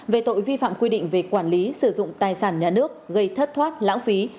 về tội vi phạm quy định về quản lý sử dụng tài sản nhà nước gây thất thoát lãng phí